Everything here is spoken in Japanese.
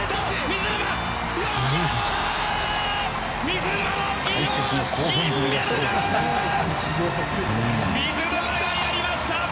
水沼がやりました！